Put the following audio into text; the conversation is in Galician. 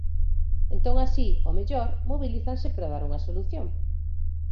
Entón así, ao mellor, mobilízanse para dar unha solución.